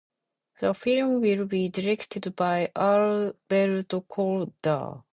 The film will be directed by Alberto Corredor.